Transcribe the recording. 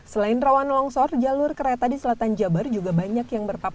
selain rawan longsor jalur kereta di selatan jabar juga banyak yang berpengalaman